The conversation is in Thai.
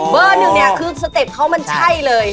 เบอร์๑นี่คือสเต็ปเขามันใช่เลย